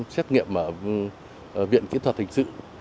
xét nghiệm ở viện kỹ thuật thành sự